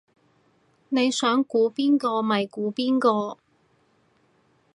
你想估邊個咪估邊個